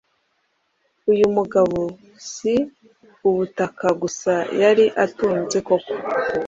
Uyu mugabo si ubutaka gusa yari atunze kuko,